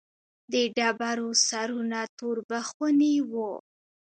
د ډبرو سرونه توربخوني وو.